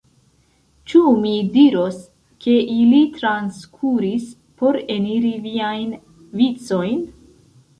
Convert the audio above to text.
Ĉu mi diros, ke ili transkuris por eniri viajn vicojn?